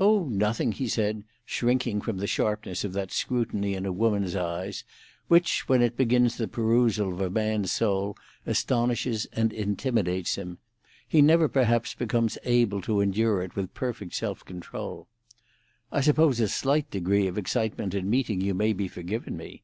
"Oh, nothing," he said, shrinking from the sharpness of that scrutiny in a woman's eyes, which, when it begins the perusal of a man's soul, astonishes and intimidates him; he never perhaps becomes able to endure it with perfect self control. "I suppose a slight degree of excitement in meeting you may be forgiven me."